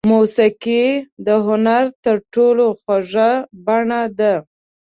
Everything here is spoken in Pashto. موسیقي د هنر تر ټولو خوږه بڼه ده.